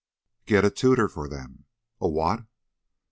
"Get a tutor for them." "A what?"